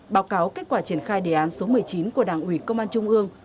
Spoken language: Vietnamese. báo cáo kết quả triển khai đề án số một mươi chín của đảng ủy công an trung ương